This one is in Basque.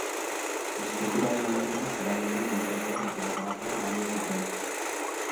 Eskulturaz gainera, zeramika, mosaikoak eta grabatuak landu zituen.